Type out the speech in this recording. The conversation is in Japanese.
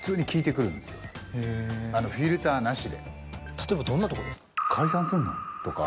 例えばどんなとこですか？